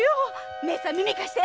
義姉さん耳貸して。